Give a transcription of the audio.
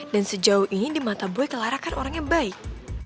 dan sejauh ini di mata boy clara kan orangnya baik